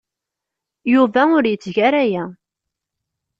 Yuba ur yetteg ara aya.